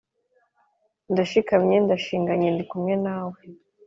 ndashikamye ndashinganye ndikumwe nawe